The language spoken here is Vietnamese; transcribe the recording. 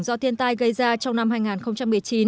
do thiên tai gây ra trong năm hai nghìn một mươi chín